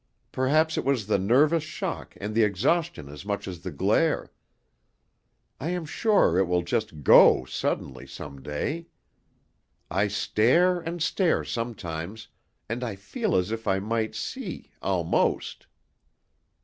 Perhaps it was the nervous shock and the exhaustion as much as the glare. I am sure it all will just go suddenly some day. I stare and stare sometimes, and I feel as if I might see almost."